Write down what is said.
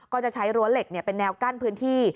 ก็จะใช้รั้วเหล็กเป็นแนวกั้นพื้นที่